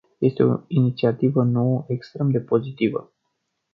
Este o inițiativă nouă extrem de pozitivă.